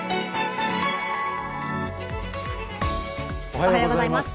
おはようございます。